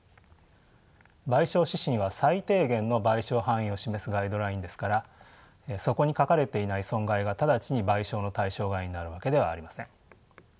賠償指針は最低限の賠償範囲を示すガイドラインですからそこに書かれていない損害が直ちに賠償の対象外になるわけではありません。